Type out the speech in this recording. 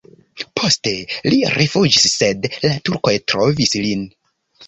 Poste li rifuĝis, sed la turkoj trovis lin.